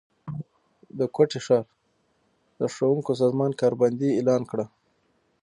د کوټي ښار د ښونکو سازمان کار بندي اعلان کړه